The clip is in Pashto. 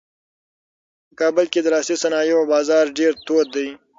په کابل کې د لاسي صنایعو بازار ډېر تود دی.